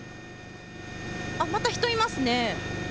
あっ、また人いますね。